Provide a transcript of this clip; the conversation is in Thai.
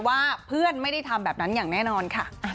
ว่าเพื่อนไม่ได้ทำแบบนั้นอย่างแน่นอนค่ะ